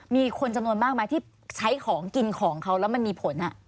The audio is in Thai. มีคนจำนวนมากไหมที่ใช้ของกินของเขาแล้วมันมีผล